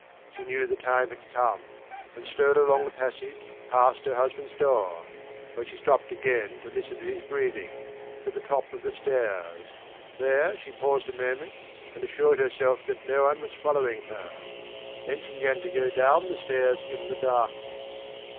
She knew the time had come, and stole along the passage, past her husband's door where she stopped again to listen to his breathing to the top of the stairs. There she paused a moment, and assured herself that no one was following her; then she began to go down the stairs in the darkness.